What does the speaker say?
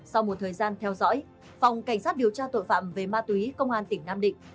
sau một thời gian theo dõi phòng cảnh sát điều tra tội phạm về ma túy công an tỉnh nam định